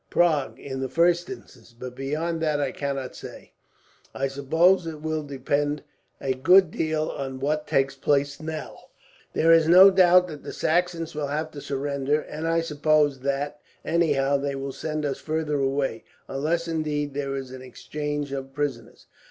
"Prague in the first instance, but beyond that I cannot say. I suppose it will depend a good deal on what takes place now. There is no doubt the Saxons will have to surrender; and I suppose that, anyhow, they will send us farther away, unless indeed there is an exchange of prisoners."